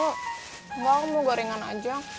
enggak mau gorengan aja